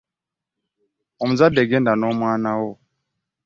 Omuzadde genda n'omwana wo.